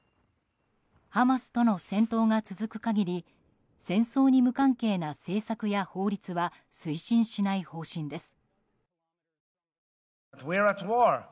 ハマスとの戦闘が続く限り戦争に無関係な政策や法律は推進しない方針です。